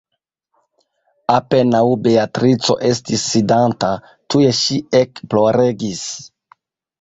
Apenaŭ Beatrico estis sidanta, tuj ŝi ekploregis.